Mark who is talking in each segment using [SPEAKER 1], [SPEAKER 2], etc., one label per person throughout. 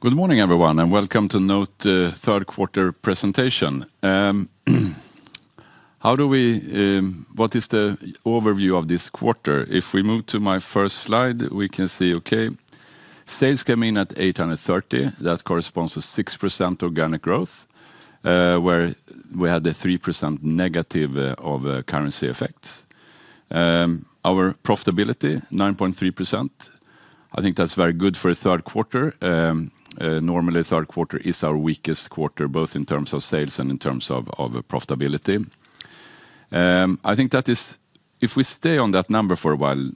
[SPEAKER 1] Good morning, everyone, and welcome to NOTE third quarter presentation. How do we, what is the overview of this quarter? If we move to my first slide, we can see, okay, sales came in at 830 million. That corresponds to 6% organic growth, where we had a 3% negative of currency effects. Our profitability, 9.3%. I think that's very good for a third quarter. Normally, a third quarter is our weakest quarter, both in terms of sales and in terms of profitability. I think that is, if we stay on that number for a while,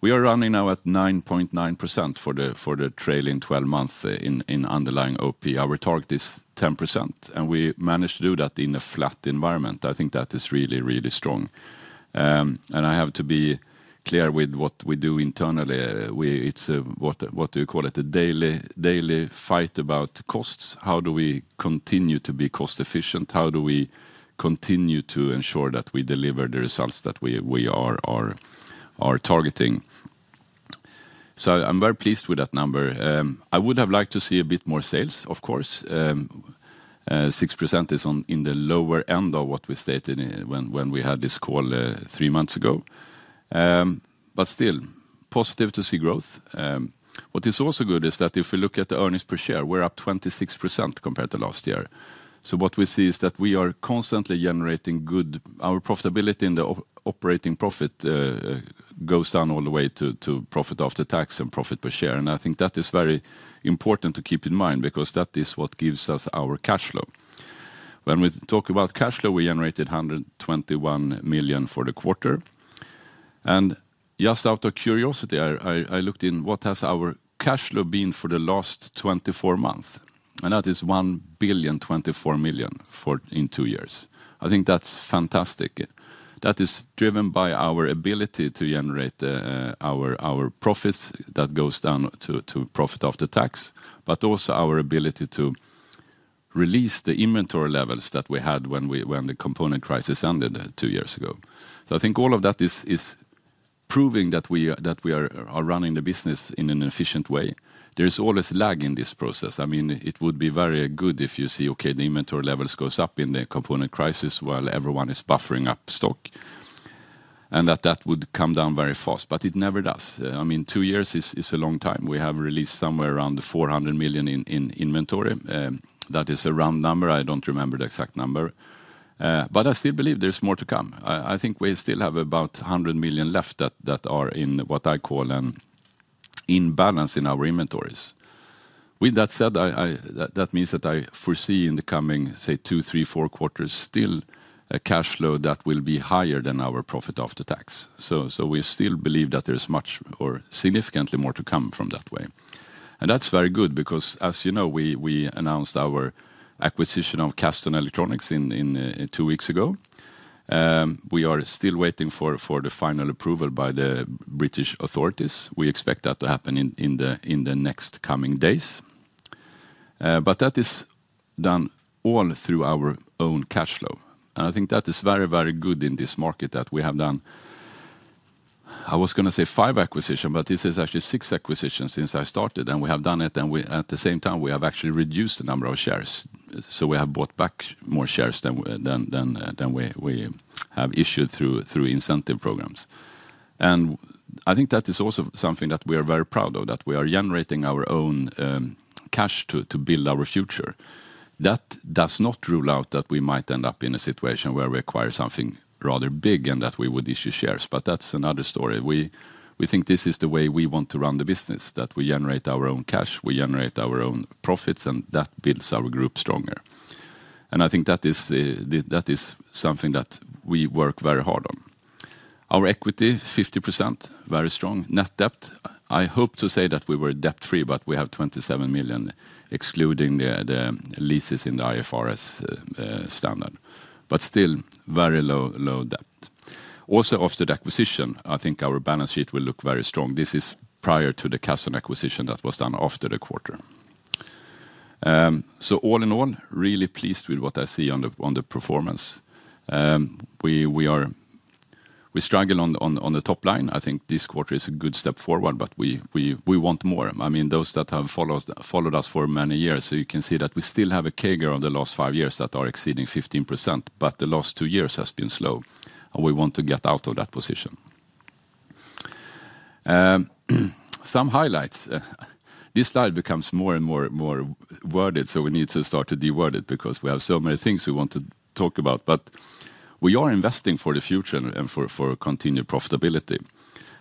[SPEAKER 1] we are running now at 9.9% for the trailing 12 months in underlying op. Our target is 10%, and we managed to do that in a flat environment. I think that is really, really strong. I have to be clear with what we do internally. It's a, what do you call it, a daily fight about costs. How do we continue to be cost efficient? How do we continue to ensure that we deliver the results that we are targeting? I'm very pleased with that number. I would have liked to see a bit more sales, of course. 6% is on the lower end of what we stated when we had this call three months ago. Still, positive to see growth. What is also good is that if we look at the earnings per share, we're up 26% compared to last year. What we see is that we are constantly generating good. Our profitability in the operating profit goes down all the way to profit after tax and profit per share. I think that is very important to keep in mind because that is what gives us our cash flow. When we talk about cash flow, we generated 121 million for the quarter. Just out of curiosity, I looked in what has our cash flow been for the last 24 months. That is 1,024 million in two years. I think that's fantastic. That is driven by our ability to generate our profits that goes down to profit after tax, but also our ability to release the inventory levels that we had when the component crisis ended two years ago. I think all of that is proving that we are running the business in an efficient way. There is always a lag in this process. I mean, it would be very good if you see, okay, the inventory levels go up in the component crisis while everyone is buffering up stock. That would come down very fast, but it never does. I mean, two years is a long time. We have released somewhere around 400 million in inventory. That is a round number. I don't remember the exact number. I still believe there's more to come. I think we still have about $100 million left that are in what I call an imbalance in our inventories. With that said, that means that I foresee in the coming, say, two, three, four quarters, still a cash flow that will be higher than our profit after tax. We still believe that there's much or significantly more to come from that way. That's very good because, as you know, we announced our acquisition of Kasdon Electronics two weeks ago. We are still waiting for the final approval by the British authorities. We expect that to happen in the next coming days. That is done all through our own cash flow. I think that is very, very good in this market that we have done, I was going to say five acquisitions, but this is actually six acquisitions since I started. We have done it, and at the same time, we have actually reduced the number of shares. We have bought back more shares than we have issued through incentive programs. I think that is also something that we are very proud of, that we are generating our own cash to build our future. That does not rule out that we might end up in a situation where we acquire something rather big and that we would issue shares. That's another story. We think this is the way we want to run the business, that we generate our own cash, we generate our own profits, and that builds our group stronger. I think that is something that we work very hard on. Our equity, 50%, very strong. Net debt, I hope to say that we were debt-free, but we have $27 million excluding the leases in the IFRS 16 standard. Still, very low debt. Also, after the acquisition, I think our balance sheet will look very strong. This is prior to the Kasdon acquisition that was done after the quarter. All in all, really pleased with what I see on the performance. We struggle on the top line. I think this quarter is a good step forward, but we want more. I mean, those that have followed us for many years, you can see that we still have a CAGR of the last five years that are exceeding 15%, but the last two years have been slow. We want to get out of that position. Some highlights. This slide becomes more and more worded, so we need to start to deword it because we have so many things we want to talk about. We are investing for the future and for continued profitability.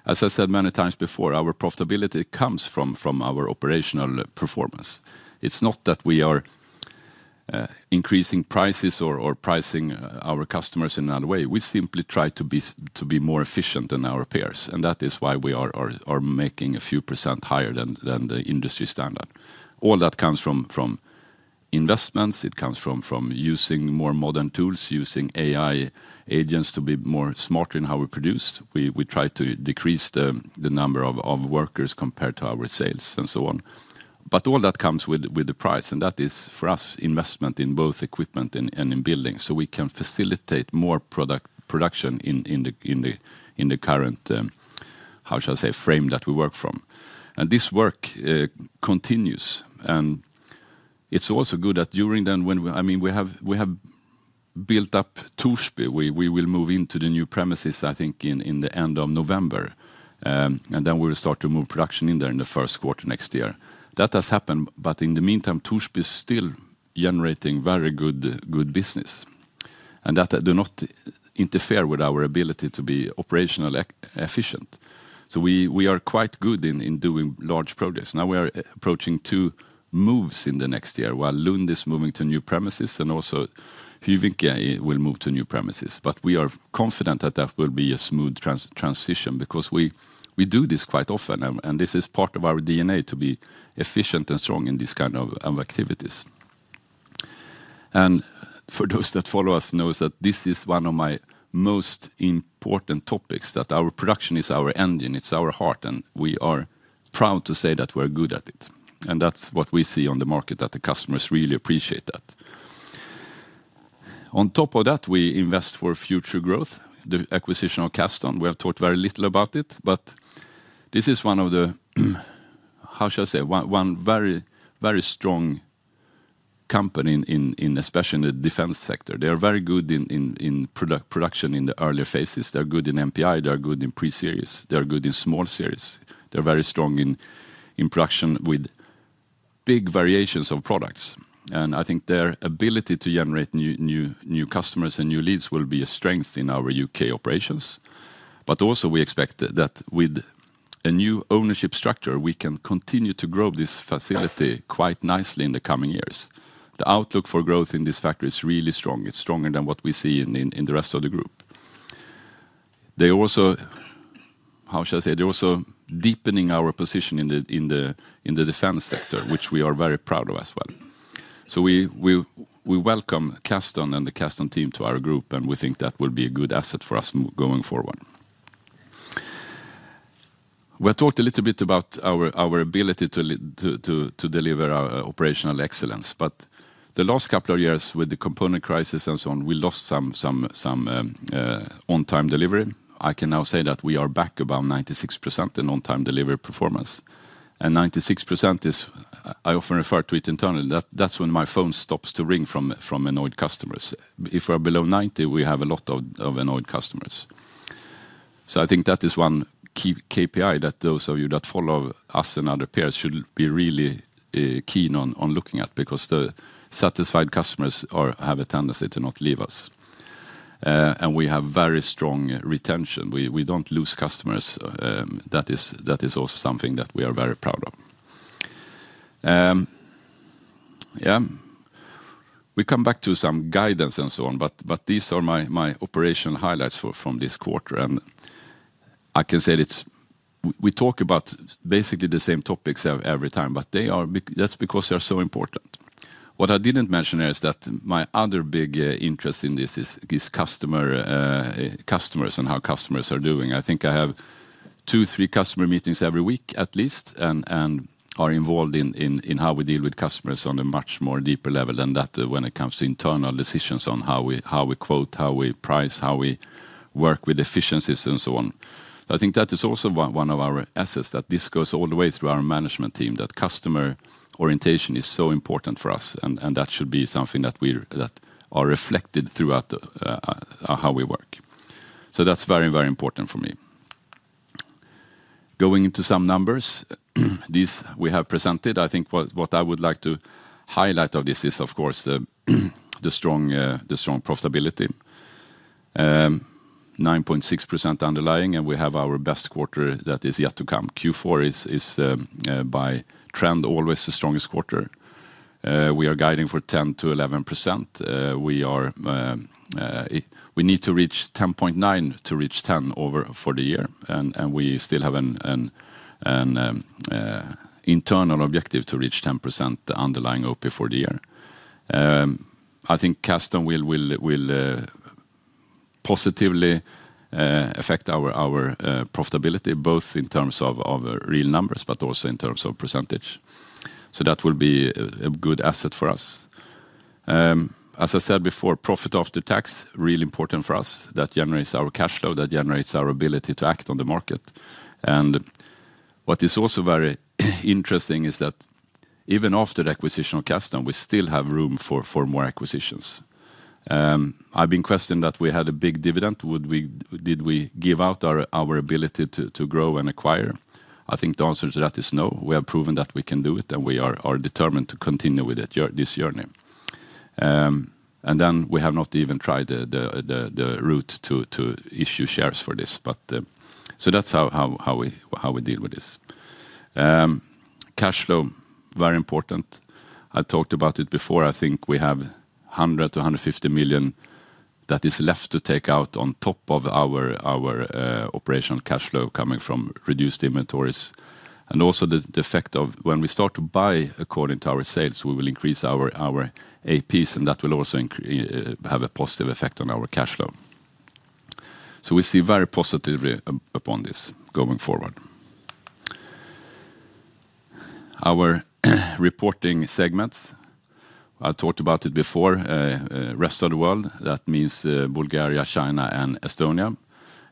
[SPEAKER 1] As I said many times before, our profitability comes from our operational performance. It's not that we are increasing prices or pricing our customers in another way. We simply try to be more efficient than our peers. That is why we are making a few % higher than the industry standard. All that comes from investments. It comes from using more modern tools, using AI agents to be smarter in how we produce. We try to decrease the number of workers compared to our sales and so on. All that comes with a price. That is, for us, investment in both equipment and in building. We can facilitate more production in the current, how should I say, frame that we work from. This work continues. It's also good that during then, we have built up Torsby. We will move into the new premises, I think, at the end of November. We will start to move production in there in the first quarter next year. That has happened. In the meantime, Torsby is still generating very good business. That does not interfere with our ability to be operationally efficient. We are quite good in doing large projects. Now we are approaching two moves in the next year, while Lund is moving to new premises and also Hyvinkää will move to new premises. We are confident that will be a smooth transition because we do this quite often. This is part of our DNA to be efficient and strong in this kind of activities. For those that follow us know that this is one of my most important topics, that our production is our engine. It's our heart. We are proud to say that we are good at it. That's what we see on the market, that the customers really appreciate that. On top of that, we invest for future growth, the acquisition of Kasdon. We have talked very little about it, but this is one very, very strong company especially in the defense sector. They are very good in production in the earlier phases. They're good in MPI. They're good in pre-series. They're good in small series. They're very strong in production with big variations of products. I think their ability to generate new customers and new leads will be a strength in our U.K. operations. We expect that with a new ownership structure, we can continue to grow this facility quite nicely in the coming years. The outlook for growth in this factory is really strong. It's stronger than what we see in the rest of the group. They also, how should I say, they're also deepening our position in the defense sector, which we are very proud of as well. We welcome Kasdon and the Kasdon team to our group, and we think that will be a good asset for us going forward. We have talked a little bit about our ability to deliver operational excellence. The last couple of years with the component crisis and so on, we lost some on-time delivery. I can now say that we are back about 96% in on-time delivery performance. 96% is, I often refer to it internally, that's when my phone stops to ring from annoyed customers. If we are below 90%, we have a lot of annoyed customers. I think that is one key KPI that those of you that follow us and other peers should be really keen on looking at because the satisfied customers have a tendency to not leave us. We have very strong retention. We don't lose customers. That is also something that we are very proud of. We come back to some guidance and so on, but these are my operational highlights from this quarter. I can say that we talk about basically the same topics every time, but that's because they are so important. What I didn't mention is that my other big interest in this is customers and how customers are doing. I think I have two, three customer meetings every week at least and am involved in how we deal with customers on a much more deeper level than that when it comes to internal decisions on how we quote, how we price, how we work with efficiencies and so on. I think that is also one of our assets that this goes all the way through our management team, that customer orientation is so important for us, and that should be something that we are reflected throughout how we work. That's very, very important for me. Going into some numbers, these we have presented. I think what I would like to highlight of this is, of course, the strong profitability, 9.6% underlying, and we have our best quarter that is yet to come. Q4 is by trend always the strongest quarter. We are guiding for 10%-11%. We need to reach 10.9% to reach 10% over for the year, and we still have an internal objective to reach 10% underlying OP for the year. I think Kasdon will positively affect our profitability, both in terms of real numbers, but also in terms of percentage. That will be a good asset for us. As I said before, profit after tax, really important for us. That generates our cash flow. That generates our ability to act on the market. What is also very interesting is that even after the acquisition of Kasdon, we still have room for more acquisitions. I've been questioned that we had a big dividend. Did we give out our ability to grow and acquire? I think the answer to that is no. We have proven that we can do it, and we are determined to continue with this journey. We have not even tried the route to issue shares for this. That's how we deal with this. Cash flow, very important. I talked about it before. I think we have $100 million-$150 million that is left to take out on top of our operational cash flow coming from reduced inventories. Also, the effect of when we start to buy according to our sales, we will increase our APs, and that will also have a positive effect on our cash flow. We see very positively upon this going forward. Our reporting segments, I talked about it before, the rest of the world. That means Bulgaria, China, and Estonia.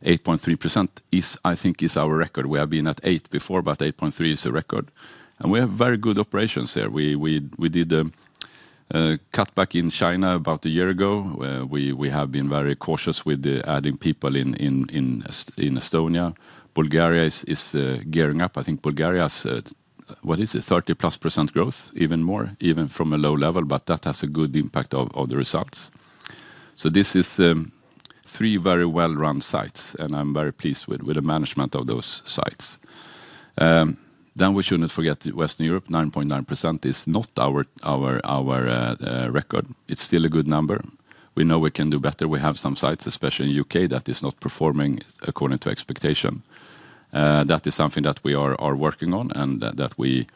[SPEAKER 1] 8.3% is, I think, our record. We have been at 8% before, but 8.3% is a record. We have very good operations there. We did a cutback in China about a year ago. We have been very cautious with adding people in Estonia. Bulgaria is gearing up. I think Bulgaria has, what is it, 30%+ growth, even more, even from a low level, but that has a good impact on the results. This is three very well-run sites, and I'm very pleased with the management of those sites. We shouldn't forget Western Europe. 9.9% is not our record. It's still a good number. We know we can do better. We have some sites, especially in the U.K., that are not performing according to expectation. That is something that we are working on and that we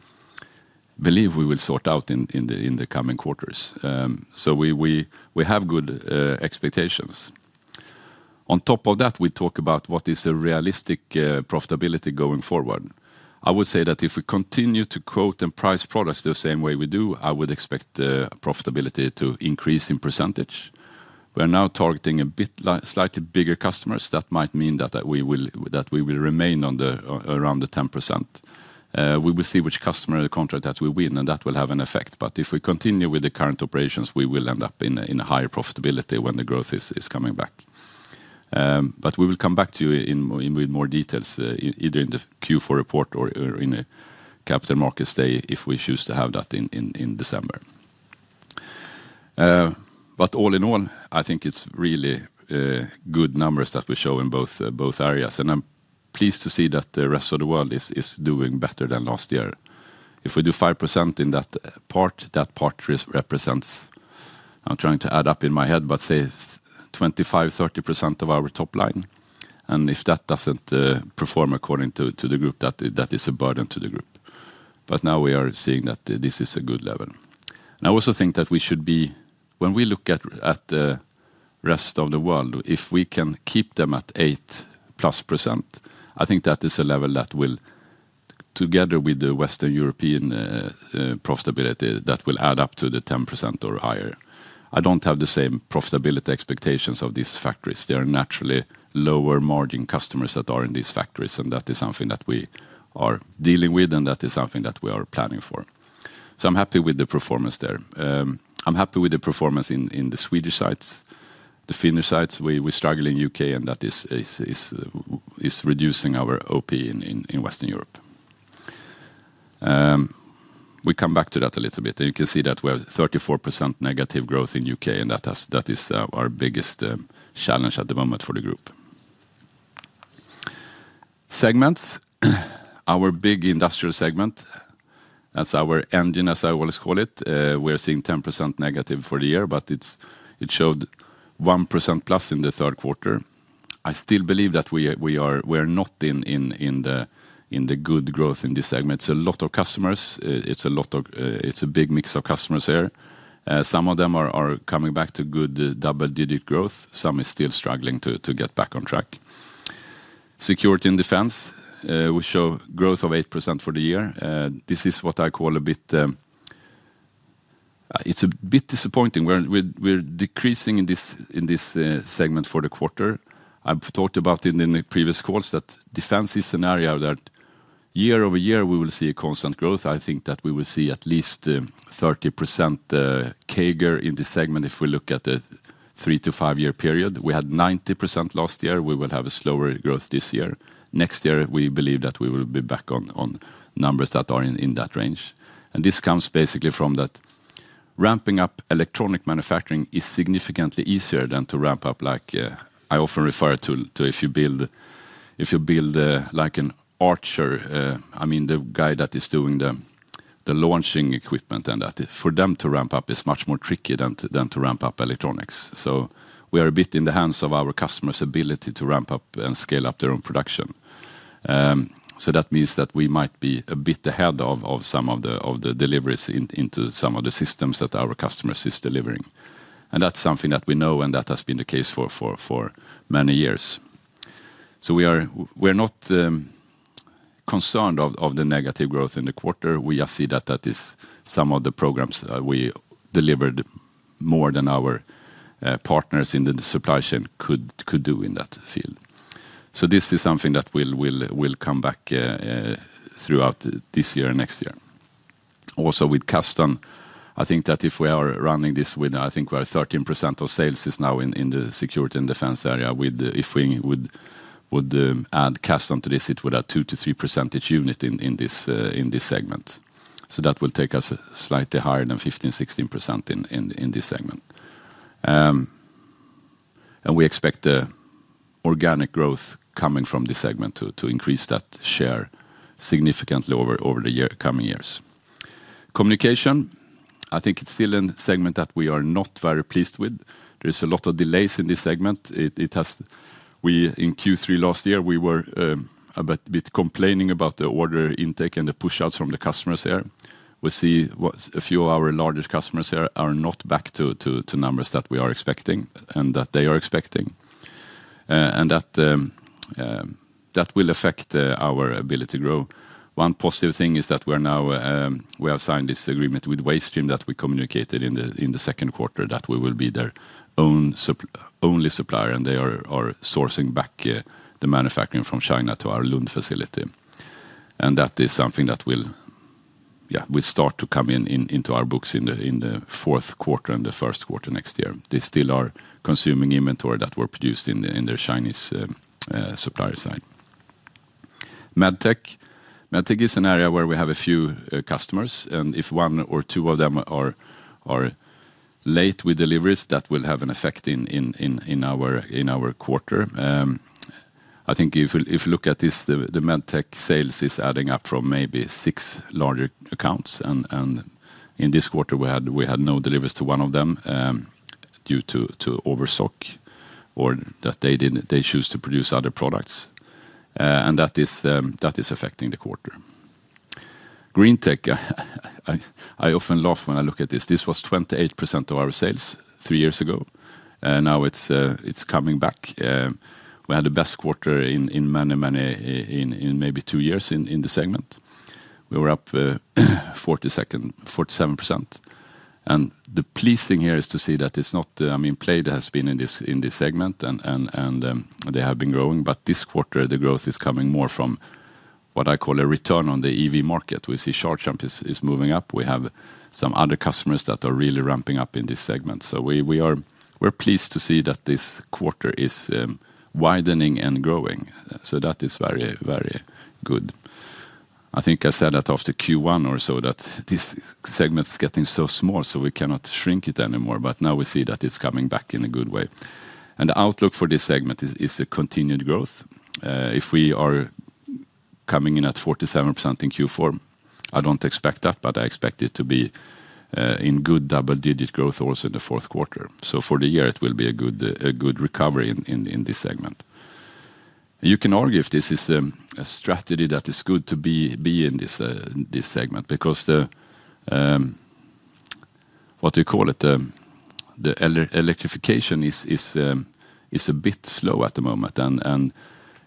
[SPEAKER 1] believe we will sort out in the coming quarters. We have good expectations. On top of that, we talk about what is a realistic profitability going forward. I would say that if we continue to quote and price products the same way we do, I would expect profitability to increase in percentage. We are now targeting a bit slightly bigger customers. That might mean that we will remain around the 10%. We will see which customer the contract that we win, and that will have an effect. If we continue with the current operations, we will end up in a higher profitability when the growth is coming back. We will come back to you with more details either in the Q4 report or in the Capital Markets Day if we choose to have that in December. All in all, I think it's really good numbers that we show in both areas. I'm pleased to see that the rest of the world is doing better than last year. If we do 5% in that part, that part represents, I'm trying to add up in my head, but say 25%-30% of our top line. If that doesn't perform according to the group, that is a burden to the group. Now we are seeing that this is a good level. I also think that we should be, when we look at the rest of the world, if we can keep them at 8%+, I think that is a level that will, together with the Western European profitability, add up to the 10% or higher. I don't have the same profitability expectations of these factories. They are naturally lower margin customers that are in these factories, and that is something that we are dealing with, and that is something that we are planning for. I'm happy with the performance there. I'm happy with the performance in the Swedish sites, the Finnish sites. We struggle in the U.K., and that is reducing our OP in Western Europe. We come back to that a little bit, and you can see that we h.ave 34% negative growth in the U.K., and that is our biggest challenge at the moment for the group. Segments, our big industrial segment, that's our engine, as I always call it. We are seeing 10% negative for the year, but it showed 1%+ in the third quarter. I still believe that we are not in the good growth in this segment. It's a lot of customers. It's a big mix of customers there. Some of them are coming back to good double-digit growth. Some are still struggling to get back on track. Security and defense, we show growth of 8% for the year. This is what I call a bit, it's a bit disappointing. We're decreasing in this segment for the quarter. I've talked about it in the previous calls that defense is an area that year-over-year we will see a constant growth. I think that we will see at least 30% CAGR in this segment if we look at a three to five-year period. We had 90% last year. We will have a slower growth this year. Next year, we believe that we will be back on numbers that are in that range. This comes basically from that ramping up electronic manufacturing is significantly easier than to ramp up, like I often refer to if you build like an archer. I mean, the guy that is doing the launching equipment and that for them to ramp up is much more tricky than to ramp up electronics. We are a bit in the hands of our customers' ability to ramp up and scale up their own production. That means we might be a bit ahead of some of the deliveries into some of the systems that our customers are delivering. That is something that we know, and that has been the case for many years. We are not concerned about the negative growth in the quarter. We see that some of the programs we delivered more than our partners in the supply chain could do in that field. This is something that will come back throughout this year and next year. Also with Kasdon, I think that if we are running this with, I think we are at 13% of sales now in the security and defense area. If we would add Kasdon to this, it would add 2 to 3 percentage units in this segment. That will take us slightly higher than 15%-16% in this segment. We expect the organic growth coming from this segment to increase that share significantly over the coming years. Communication, I think it's still a segment that we are not very pleased with. There are a lot of delays in this segment. In Q3 last year, we were a bit complaining about the order intake and the push-outs from the customers there. We see a few of our largest customers there are not back to the numbers that we are expecting and that they are expecting. That will affect our ability to grow. One positive thing is that we have signed this agreement with Waystream that we communicated in the second quarter that we will be their only supplier, and they are sourcing back the manufacturing from China to our Lund facility. That is something that will start to come into our books in the fourth quarter and the first quarter next year. They still are consuming inventory that was produced in their Chinese supplier site. Medtech is an area where we have a few customers, and if one or two of them are late with deliveries, that will have an effect in our quarter. If you look at this, the Medtech sales are adding up from maybe six larger accounts. In this quarter, we had no deliveries to one of them due to overstock or that they chose to produce other products. That is affecting the quarter. Greentech, I often laugh when I look at this. This was 28% of our sales three years ago. Now it's coming back. We had the best quarter in maybe two years in the segment. We were up 47%. The pleasing thing here is to see that it's not, I mean, Playde has been in this segment, and they have been growing. This quarter, the growth is coming more from what I call a return on the EV market. We see Sharjamp is moving up. We have some other customers that are really ramping up in this segment. We are pleased to see that this quarter is widening and growing. That is very, very good. I think I said that after Q1 or so that this segment is getting so small, so we cannot shrink it anymore. Now we see that it's coming back in a good way. The outlook for this segment is a continued growth. If we are coming in at 47% in Q4, I don't expect that, but I expect it to be in good double-digit growth also in the fourth quarter. For the year, it will be a good recovery in this segment. You can argue if this is a strategy that is good to be in this segment because, what do you call it, the electrification is a bit slow at the moment.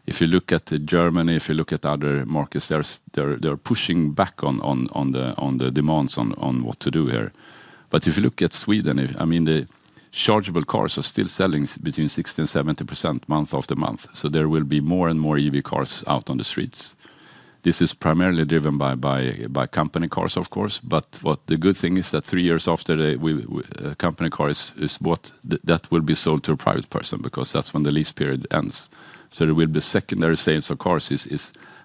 [SPEAKER 1] If you look at Germany, if you look at other markets, they are pushing back on the demands on what to do here. If you look at Sweden, the chargeable cars are still selling between 60% and 70% month after month. There will be more and more EV cars out on the streets. This is primarily driven by company cars, of course. The good thing is that three years after the company car is bought, that will be sold to a private person because that's when the lease period ends. There will be secondary sales of cars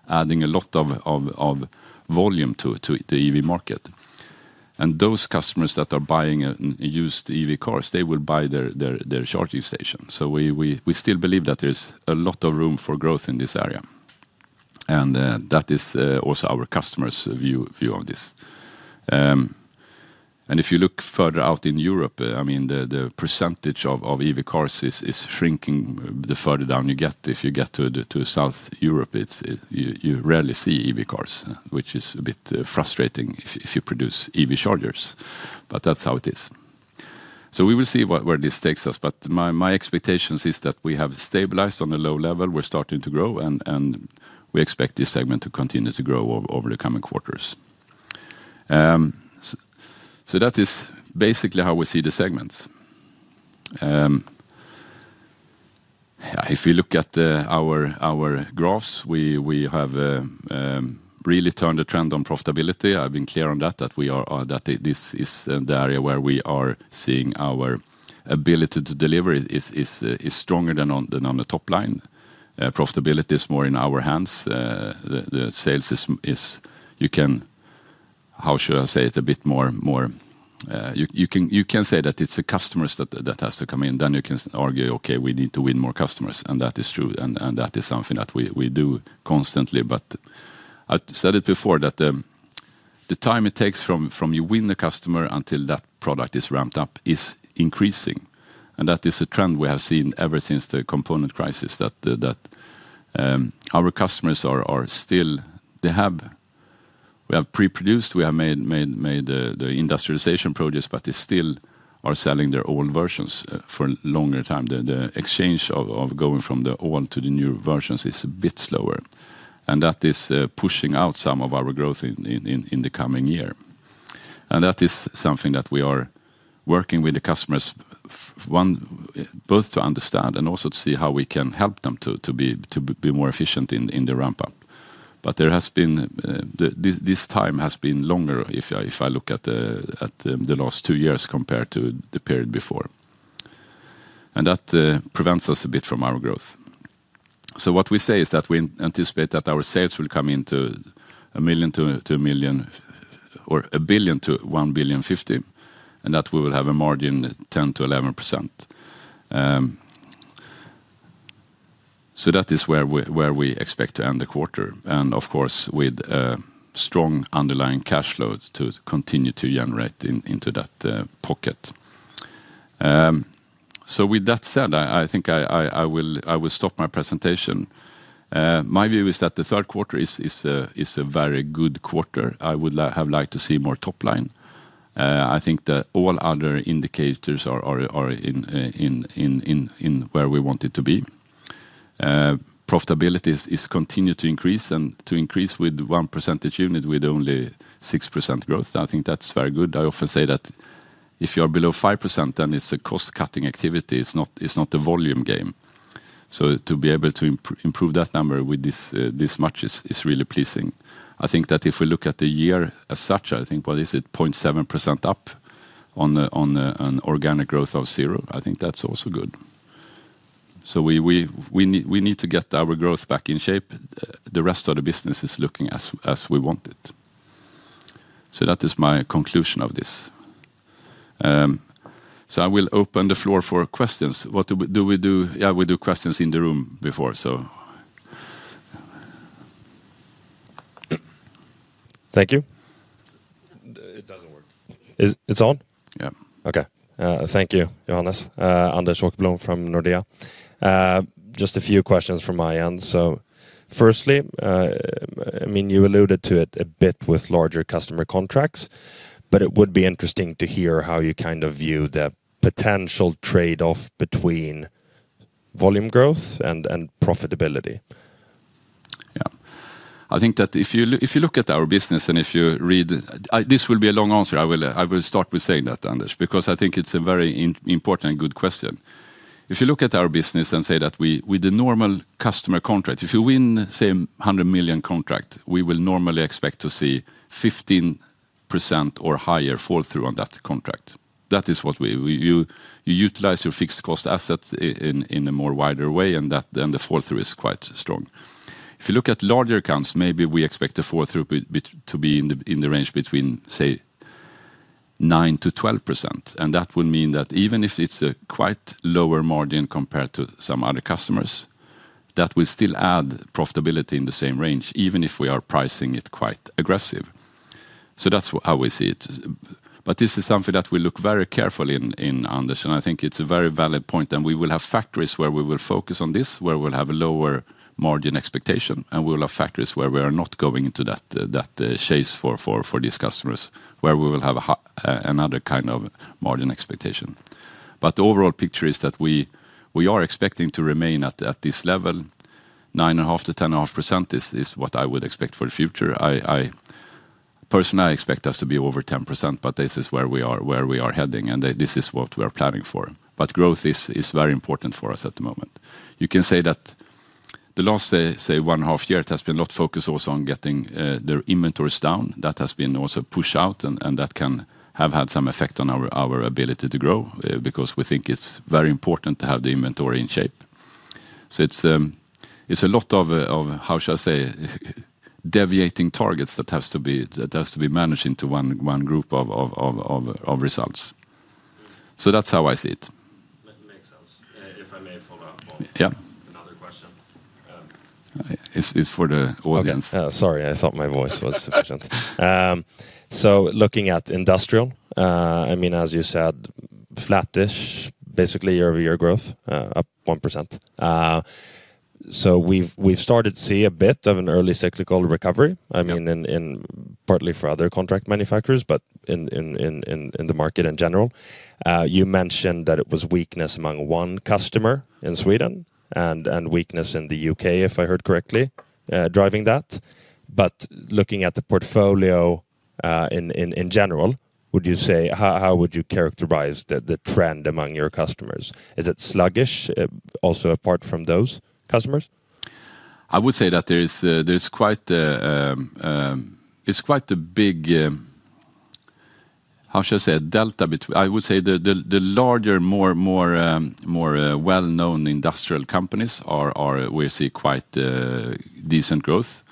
[SPEAKER 1] adding a lot of volume to the EV market. Those customers that are buying used EV cars, they will buy their charging station. We still believe that there is a lot of room for growth in this area. That is also our customers' view of this. If you look further out in Europe, the percentage of EV cars is shrinking the further down you get. If you get to South Europe, you rarely see EV cars, which is a bit frustrating if you produce EV chargers. That's how it is. We will see where this takes us. My expectation is that we have stabilized on a low level. We're starting to grow, and we expect this segment to continue to grow over the coming quarters. That is basically how we see the segments. If we look at our graphs, we have really turned a trend on profitability. I've been clear on that, that this is the area where we are seeing our ability to deliver is stronger than on the top line. Profitability is more in our hands. Sales is, you can, how should I say it, a bit more, you can say that it's a customer that has to come in. You can argue, okay, we need to win more customers. That is true, and that is something that we do constantly. I said it before that the time it takes from you win a customer until that product is ramped up is increasing. That is a trend we have seen ever since the component crisis, that our customers are still, they have, we have pre-produced, we have made the industrialization projects, but they still are selling their old versions for a longer time. The exchange of going from the old to the new versions is a bit slower. That is pushing out some of our growth in the coming year. That is something that we are working with the customers, both to understand and also to see how we can help them to be more efficient in the ramp-up. This time has been longer if I look at the last two years compared to the period before. That prevents us a bit from our growth. We anticipate that our sales will come into a billion to one billion fifty, and that we will have a margin of 10%-11%. That is where we expect to end the quarter. Of course, with a strong underlying cash flow to continue to generate into that pocket. With that said, I think I will stop my presentation. My view is that the third quarter is a very good quarter. I would have liked to see more top line. I think that all other indicators are in where we want it to be. Profitability is continuing to increase and to increase with one percentage unit with only 6% growth. I think that's very good. I often say that if you are below 5%, then it's a cost-cutting activity. It's not a volume game. To be able to improve that number with this much is really pleasing. I think that if we look at the year as such, I think, what is it, 0.7% up on an organic growth of zero. I think that's also good. We need to get our growth back in shape. The rest of the business is looking as we want it. That is my conclusion of this. I will open the floor for questions. What do we do? Yeah, we do questions in the room before.
[SPEAKER 2] Thank you. It doesn't work. It's on?
[SPEAKER 1] Yeah.
[SPEAKER 2] Okay. Thank you, Johannes. Anders Åkerblom from Nordea. Just a few questions from my end. Firstly, you alluded to it a bit with larger customer contracts, but it would be interesting to hear how you kind of view the potential trade-off between volume growth and profitability.
[SPEAKER 1] Yeah. I think that if you look at our business and if you read, this will be a long answer. I will start with saying that, Anders, because I think it's a very important and good question. If you look at our business and say that with the normal customer contract, if you win, say, a $100 million contract, we will normally expect to see 15% or higher fall through on that contract. That is what we do. You utilize your fixed cost assets in a more wider way, and the fall through is quite strong. If you look at larger accounts, maybe we expect the fall through to be in the range between, say, 9%-12%. That would mean that even if it's a quite lower margin compared to some other customers, that will still add profitability in the same range, even if we are pricing it quite aggressive. That's how we see it. This is something that we look very carefully in, Anders, and I think it's a very valid point. We will have factories where we will focus on this, where we'll have a lower margin expectation, and we'll have factories where we are not going into that chase for these customers, where we will have another kind of margin expectation. The overall picture is that we are expecting to remain at this level. 9.5%-10.5% is what I would expect for the future. Personally, I expect us to be over 10%, but this is where we are heading, and this is what we are planning for. Growth is very important for us at the moment. You can say that the last, say, one and a half years, there has been a lot of focus also on getting the inventories down. That has been also pushed out, and that can have had some effect on our ability to grow because we think it's very important to have the inventory in shape. It's a lot of, how should I say, deviating targets that have to be managed into one group of results. That's how I see it.
[SPEAKER 2] Makes sense. If I may follow up with another question.
[SPEAKER 1] It's for the audience.
[SPEAKER 2] I thought my voice was sufficient. Looking at industrial, as you said, flattish, basically year-over-year growth, up 1%. We've started to see a bit of an early cyclical recovery, partly for other contract manufacturers, but in the market in general. You mentioned that it was weakness among one customer in Sweden and weakness in the U.K., if I heard correctly, driving that. Looking at the portfolio in general, would you say, how would you characterize the trend among your customers? Is it sluggish, also apart from those customers?
[SPEAKER 1] I would say that there's quite a big, how should I say, a delta between, I would say, the larger, more well-known industrial companies where we see quite decent growth,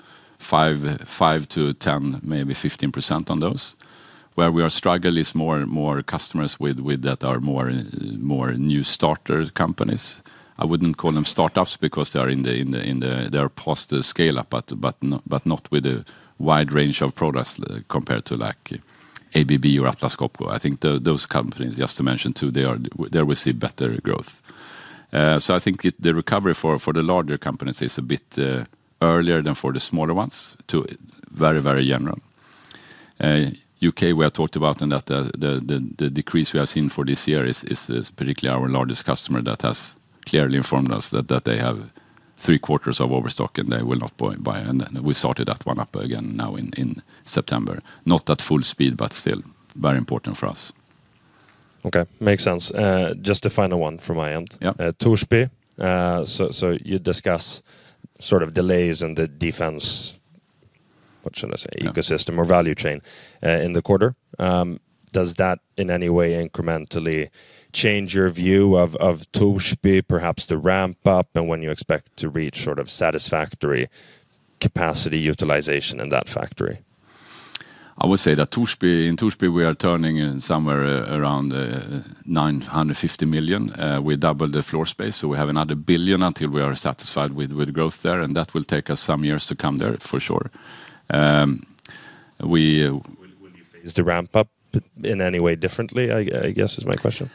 [SPEAKER 1] 5%-10%, maybe 15% on those. Where we are struggling is more customers that are more new starter companies. I wouldn't call them startups because they are in their post-scale-up, but not with a wide range of products compared to ABB or Atlas Copco. I think those companies, just to mention two, there we see better growth. I think the recovery for the larger companies is a bit earlier than for the smaller ones, very, very general. U.K., we have talked about, and the decrease we have seen for this year is particularly our largest customer that has clearly informed us that they have three quarters of overstock and they will not buy. We started that one up again now in September, not at full speed, but still very important for us.
[SPEAKER 2] Okay, makes sense. Just a final one from my end. Torsby, you discuss sort of delays in the defense, what should I say, ecosystem or value chain in the quarter. Does that in any way incrementally change your view of Torsby, perhaps the ramp-up, and when you expect to reach sort of satisfactory capacity utilization in that factory?
[SPEAKER 1] I would say that in Torsby, we are turning in somewhere around 950 million. We doubled the floor space, so we have another 1 billion until we are satisfied with growth there, and that will take us some years to come there for sure.
[SPEAKER 2] Will you phase the ramp-up in any way differently, I guess, is my question?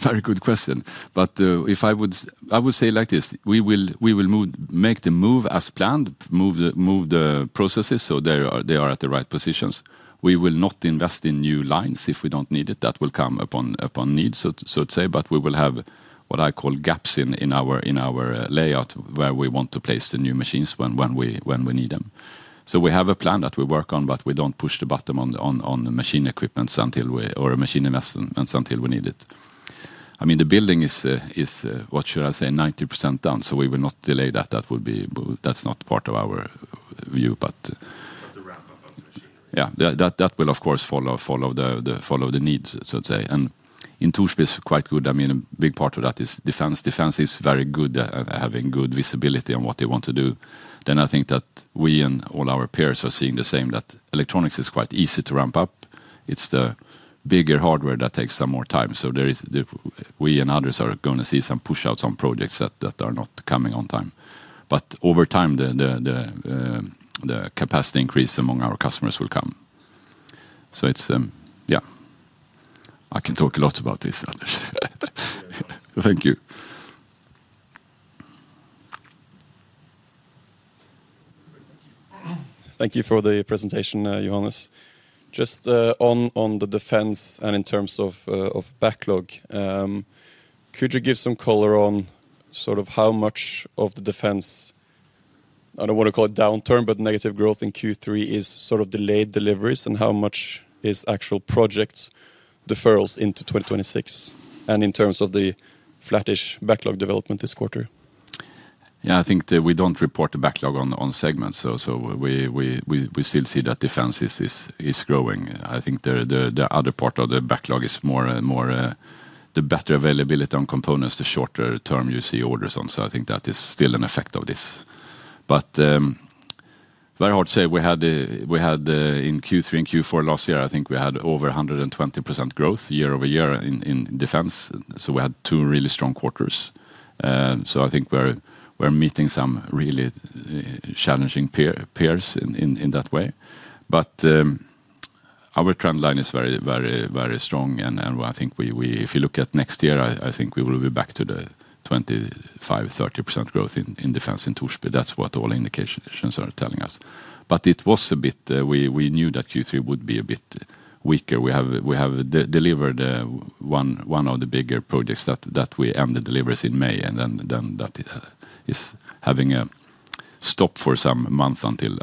[SPEAKER 1] Very good question. I would say like this, we will make the move as planned, move the processes so they are at the right positions. We will not invest in new lines if we don't need it. That will come upon need, so to say, but we will have what I call gaps in our layout where we want to place the new machines when we need them. We have a plan that we work on, but we don't push the button on the machine equipment or machine investments until we need it. I mean, the building is, what should I say, 90% done, so we will not delay that. That's not part of our view.
[SPEAKER 2] The ramp-up of the machinery.
[SPEAKER 1] Yeah, that will, of course, follow the needs, so to say. In Torsby, it's quite good. I mean, a big part of that is defense. Defense is very good at having good visibility on what they want to do. I think that we and all our peers are seeing the same, that electronics is quite easy to ramp up. It's the bigger hardware that takes some more time. We and others are going to see some push-outs on projects that are not coming on time. Over time, the capacity increase among our customers will come. I can talk a lot about this, Anders. Thank you. Thank you for the presentation, Johannes. Just on the defense and in terms of backlog, could you give some color on sort of how much of the defense, I don't want to call it downturn, but negative growth in Q3 is sort of delayed deliveries and how much is actual project deferrals into 2026, and in terms of the flattish backlog development this quarter? Yeah, I think that we don't report a backlog on segments. We still see that defense is growing. I think the other part of the backlog is more, the better availability on components, the shorter term you see orders on. I think that is still an effect of this. Very hard to say. We had in Q3 and Q4 last year, I think we had over 120% growth year-over-year in defense. We had two really strong quarters. I think we're meeting some really challenging peers in that way. Our trend line is very, very, very strong. I think if you look at next year, I think we will be back to the 25%-30% growth in defense in Torsby. That's what all indications are telling us. It was a bit, we knew that Q3 would be a bit weaker. We have delivered one of the bigger projects that we ended deliveries in May, and then that is having a stop for some month until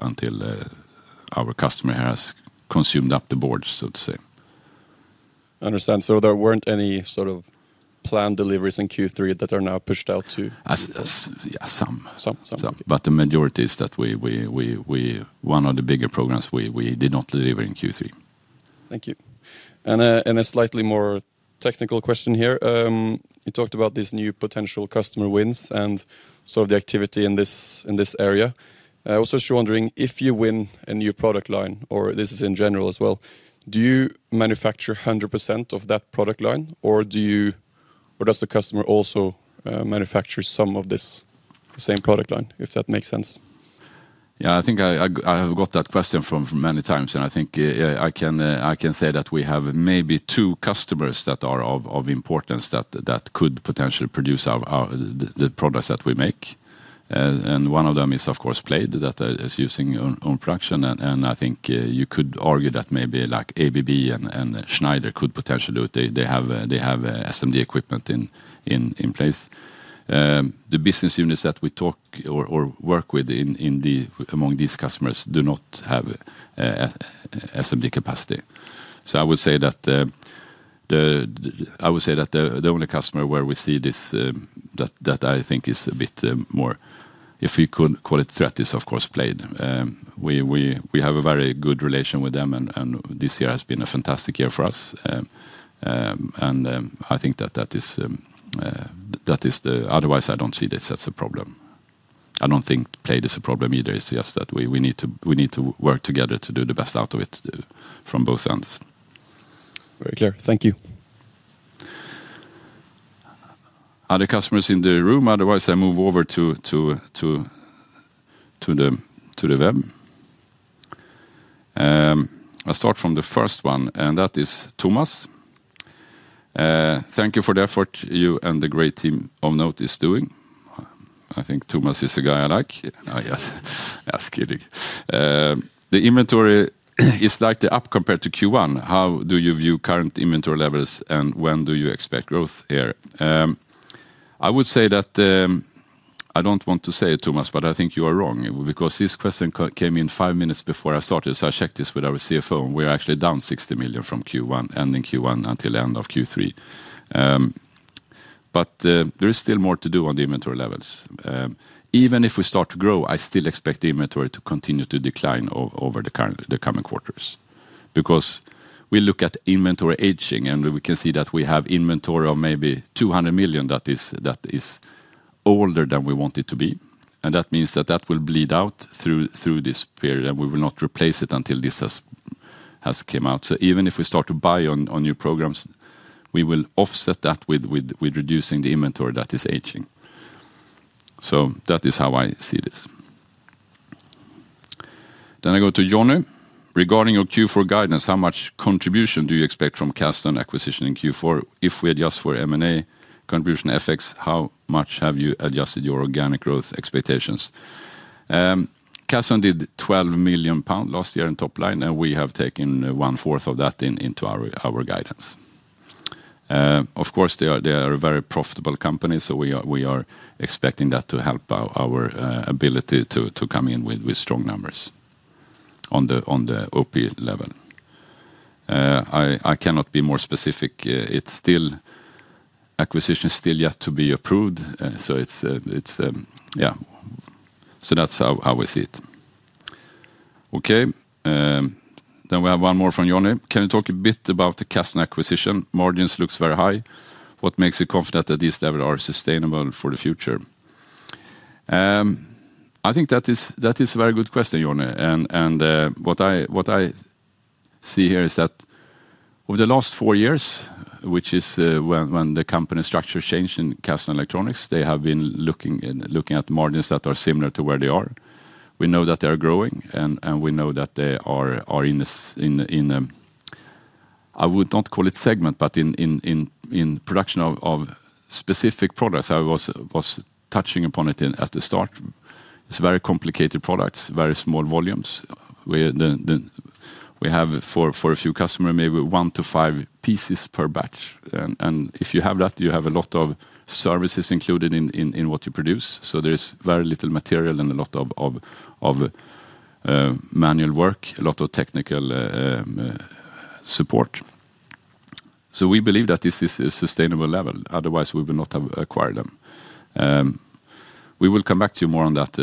[SPEAKER 1] our customer has consumed up the board, so to say. I understand. There weren't any sort of planned deliveries in Q3 that are now pushed out to? Yeah, some, but the majority is that we, one of the bigger programs we did not deliver in Q3. Thank you. A slightly more technical question here. You talked about these new potential customer wins and the activity in this area. I also was wondering, if you win a new product line, or this is in general as well, do you manufacture 100% of that product line, or does the customer also manufacture some of this same product line, if that makes sense? Yeah, I think I have got that question many times, and I think I can say that we have maybe two customers that are of importance that could potentially produce the products that we make. One of them is, of course, Playde that is using own production. I think you could argue that maybe like ABB and Schneider could potentially do it. They have SMD equipment in place. The business units that we talk or work with among these customers do not have SMD capacity. I would say that the only customer where we see this that I think is a bit more, if we could call it threat, is of course Playde. We have a very good relation with them, and this year has been a fantastic year for us. I think that is the, otherwise I don't see this as a problem. I don't think Playde is a problem either. It's just that we need to work together to do the best out of it from both ends. Very clear. Thank you. Other customers in the room, otherwise I move over to the web. I'll start from the first one, and that is Thomas. Thank you for the effort you and the great team of NOTE is doing. I think Thomas is a guy I like. I ask you to. The inventory is slightly up compared to Q1. How do you view current inventory levels, and when do you expect growth here? I would say that I don't want to say it too much, but I think you are wrong because this question came in five minutes before I started. I checked this with our CFO. We are actually down 60 million from Q1, ending Q1 until the end of Q3. There is still more to do on the inventory levels. Even if we start to grow, I still expect the inventory to continue to decline over the coming quarters because we look at inventory aging, and we can see that we have inventory of maybe 200 million that is older than we want it to be. That means that will bleed out through this period, and we will not replace it until this has come out. Even if we start to buy on new programs, we will offset that with reducing the inventory that is aging. That is how I see this. I go to Johnny. Regarding your Q4 guidance, how much contribution do you expect from Kasdon acquisition in Q4? If we adjust for M&A contribution effects, how much have you adjusted your organic growth expectations? Kasdon did 12 million pounds last year in top line, and we have taken one-fourth of that into our guidance. Of course, they are a very profitable company, so we are expecting that to help our ability to come in with strong numbers on the OP level. I cannot be more specific. Acquisition is still yet to be approved. That's how we see it. We have one more from Johnny. Can you talk a bit about the Kasdon acquisition? Margins look very high. What makes you confident that these levels are sustainable for the future? I think that is a very good question, Johnny. What I see here is that over the last four years, which is when the company structure changed in Kasdon Electronics, they have been looking at margins that are similar to where they are. We know that they are growing, and we know that they are in a, I would not call it segment, but in production of specific products. I was touching upon it at the start. It's very complicated products, very small volumes. We have for a few customers maybe one to five pieces per batch. If you have that, you have a lot of services included in what you produce. There is very little material and a lot of manual work, a lot of technical support. We believe that this is a sustainable level. Otherwise, we will not have acquired them. We will come back to you more on that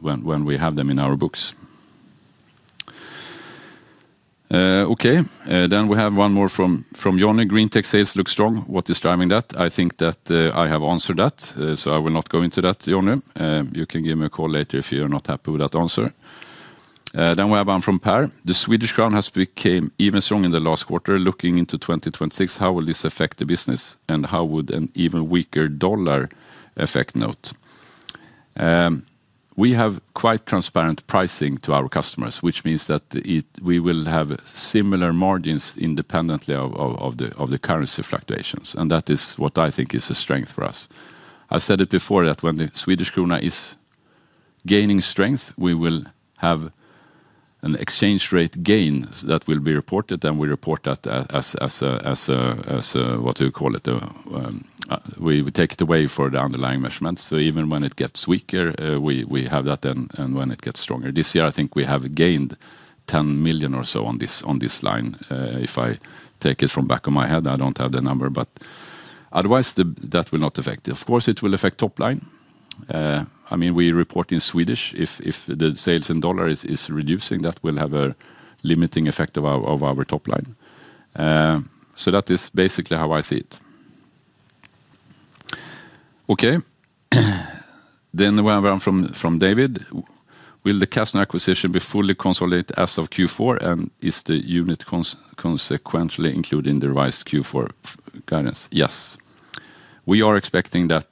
[SPEAKER 1] when we have them in our books. We have one more from Johnny. Greentech sales look strong. What is driving that? I think that I have answered that, so I will not go into that, Johnny. You can give me a call later if you're not happy with that answer. We have one from Per. The Swedish krona has become even stronger in the last quarter. Looking into 2026, how will this affect the business, and how would an even weaker dollar affect NOTE? We have quite transparent pricing to our customers, which means that we will have similar margins independently of the currency fluctuations. That is what I think is a strength for us. I said it before that when the Swedish krona is gaining strength, we will have an exchange rate gain that will be reported. We report that as a, what do you call it, we take it away for the underlying measurements. Even when it gets weaker, we have that, and when it gets stronger. This year, I think we have gained $10 million or so on this line. If I take it from the back of my head, I don't have the number, but otherwise, that will not affect it. Of course, it will affect top line. We report in Swedish. If the sales in dollar is reducing, that will have a limiting effect on our top line. That is basically how I see it. We have one from David. Will the Kasdon acquisition be fully consolidated as of Q4, and is the unit consequently included in the revised Q4 guidance? Yes. We are expecting that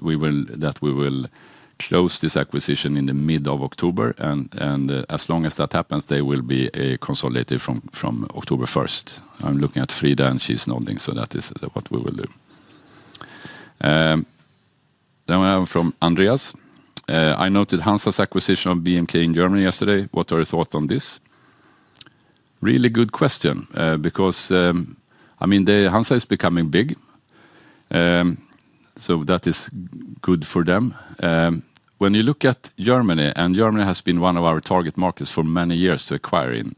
[SPEAKER 1] we will close this acquisition in the mid of October, and as long as that happens, they will be consolidated from October 1st. I'm looking at Frida, and she's nodding, so that is what we will do. We have from Andreas. I noted Hansa's acquisition of BMK in Germany yesterday. What are your thoughts on this? Really good question because Hansa is becoming big, so that is good for them. When you look at Germany, and Germany has been one of our target markets for many years to acquire in,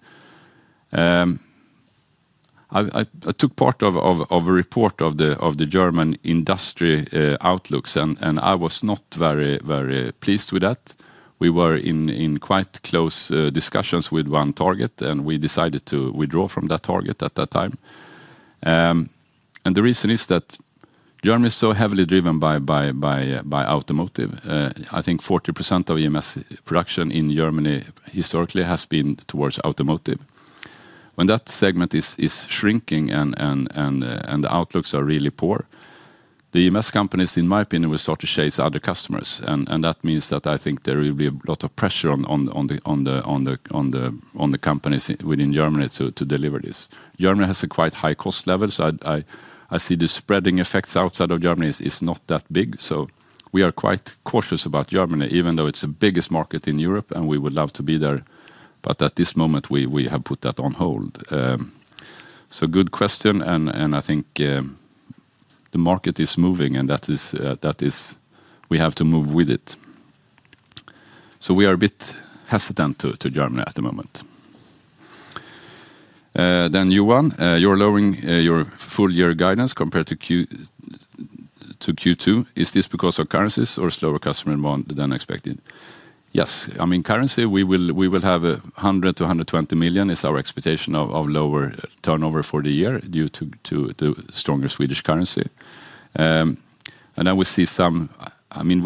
[SPEAKER 1] I took part of a report of the German industry outlooks, and I was not very, very pleased with that. We were in quite close discussions with one target, and we decided to withdraw from that target at that time. The reason is that Germany is so heavily driven by automotive. I think 40% of EMS production in Germany historically has been towards automotive. When that segment is shrinking and the outlooks are really poor, the EMS companies, in my opinion, will start to chase other customers, and that means that I think there will be a lot of pressure on the companies within Germany to deliver this. Germany has a quite high cost level, so I see the spreading effects outside of Germany is not that big. We are quite cautious about Germany, even though it's the biggest market in Europe, and we would love to be there, but at this moment, we have put that on hold. Good question, and I think the market is moving, and that is we have to move with it. We are a bit hesitant to Germany at the moment. You want your lowering your full year guidance compared to Q2. Is this because of currencies or slower customer demand than expected? Yes. I mean, currency, we will have 100 million- 120 million, is our expectation of lower turnover for the year due to the stronger Swedish currency. We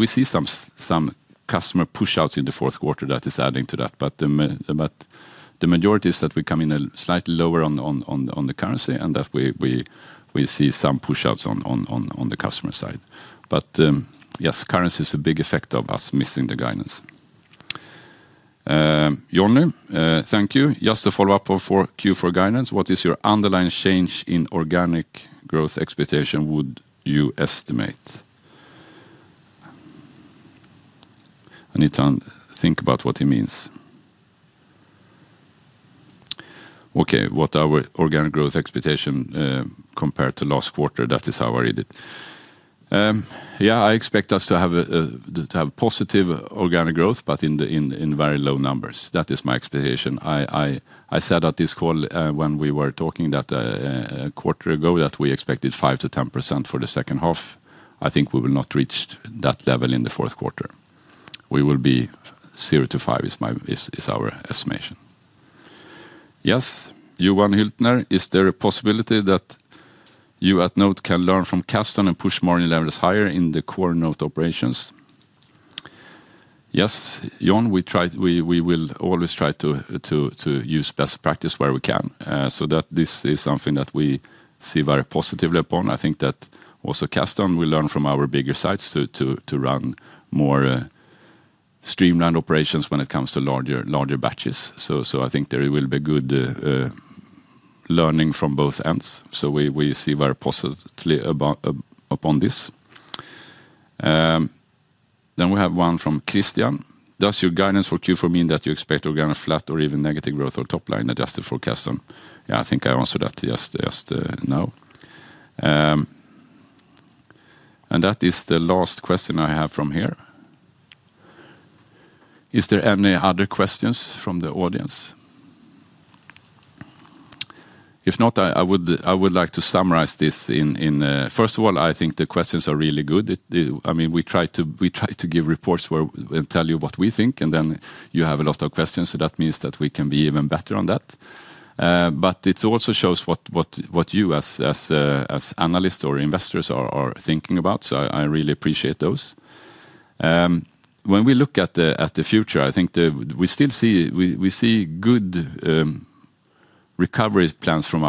[SPEAKER 1] see some customer push-outs in the fourth quarter that is adding to that, but the majority is that we come in slightly lower on the currency and that we see some push-outs on the customer side. Yes, currency is a big effect of us missing the guidance. Johnny, thank you. Just to follow up for Q4 guidance, what is your underlying change in organic growth expectation would you estimate? I need to think about what it means. Okay, what our organic growth expectation compared to last quarter, that is how I read it. Yeah, I expect us to have positive organic growth, but in very low numbers. That is my expectation. I said at this call when we were talking that a quarter ago that we expected 5%-10% for the second half. I think we will not reach that level in the fourth quarter. We will be 0%-5%, is our estimation. Yes. Johan Hyltner, is there a possibility that you at NOTE can learn from Kasdon and push margin levels higher in the core NOTE operations? Yes, Johan, we will always try to use best practice where we can. This is something that we see very positively upon. I think that also Kasdon will learn from our bigger sites to run more streamlined operations when it comes to larger batches. I think there will be good learning from both ends. We see very positively upon this. We have one from Christian. Does your guidance for Q4 mean that you expect organic flat or even negative growth or top line adjusted for Kasdon? Yeah, I think I answered that yes just now. That is the last question I have from here. Is there any other questions from the audience? If not, I would like to summarize this. First of all, I think the questions are really good. I mean, we try to give reports and tell you what we think, and then you have a lot of questions. That means that we can be even better on that. It also shows what you as analysts or investors are thinking about. I really appreciate those. When we look at the future, I think we still see good recovery plans from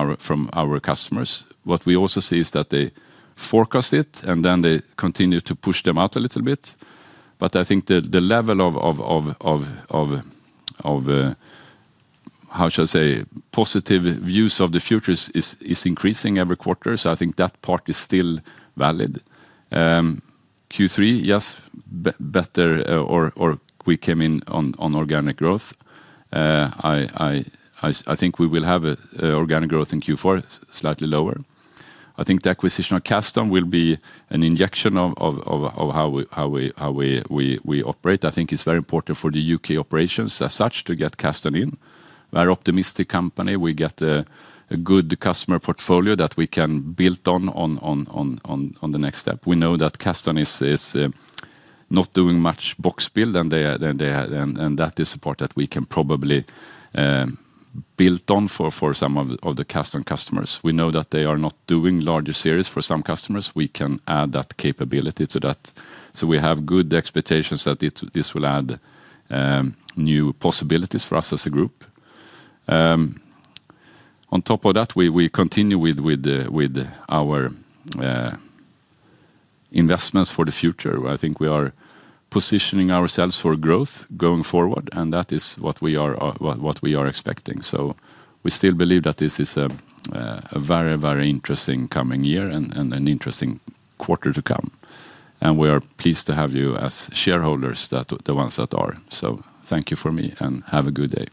[SPEAKER 1] our customers. What we also see is that they forecast it and then they continue to push them out a little bit. I think the level of, how should I say, positive views of the future is increasing every quarter. I think that part is still valid. Q3, yes, better, or we came in on organic growth. I think we will have organic growth in Q4, slightly lower. I think the acquisition of Kasdon will be an injection of how we operate. I think it's very important for the U.K. operations as such to get Kasdon in. We are an optimistic company. We get a good customer portfolio that we can build on the next step. We know that Kasdon is not doing much box build, and that is a part that we can probably build on for some of the Kasdon customers. We know that they are not doing larger series for some customers. We can add that capability to that. We have good expectations that this will add new possibilities for us as a group. On top of that, we continue with our investments for the future. I think we are positioning ourselves for growth going forward, and that is what we are expecting. We still believe that this is a very, very interesting coming year and an interesting quarter to come. We are pleased to have you as shareholders, the ones that are. Thank you for me, and have a good day.